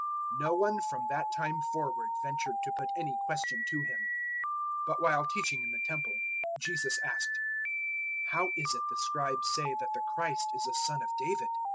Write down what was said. No one from that time forward ventured to put any question to Him. 012:035 But, while teaching in the Temple, Jesus asked, "How is it the Scribes say that the Christ is a son of David?